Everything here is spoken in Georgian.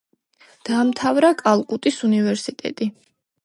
დაამთავრა კალკუტის უნივერსიტეტი.